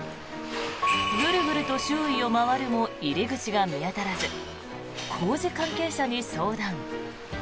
グルグルと周囲を回るも入り口が見当たらず工事関係者に相談。